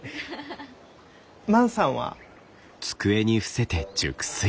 万さんは？